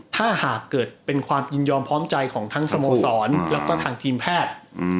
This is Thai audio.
ถ้าหากเกิดเป็นความยินยอมพร้อมใจของทั้งสโมสรแล้วก็ทางทีมแพทย์